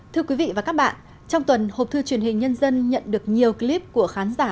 thưa quý vị và các bạn trong tuần hộp thư truyền hình nhân dân nhận được nhiều clip của khán giả